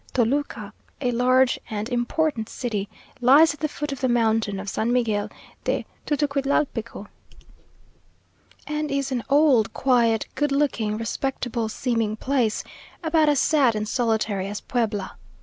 Toluca, a large and important city, lies at the foot of the mountain of San Miguel de Tutucuitlalpico; and is an old, quiet, good looking, respectable seeming place, about as sad and solitary as Puebla.